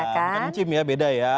kencim ya beda ya